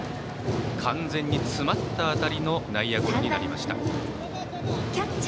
完全に詰まった当たりの内野ゴロになりました。